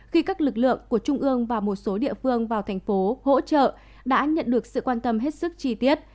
khi các lực lượng của trung ương và một số địa phương vào thành phố hỗ trợ đã nhận được sự quan tâm hết sức chi tiết